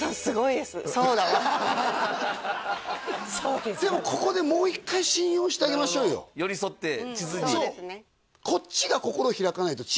そうだわでもここでもう一回信用してあげましょうよ寄り添って地図にそうですね